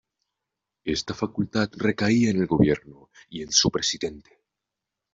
Esta facultad recaía en el Gobierno y en su presidente.